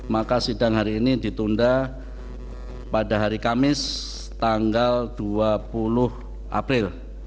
maka sidang hari ini ditunda pada hari kamis tanggal dua puluh april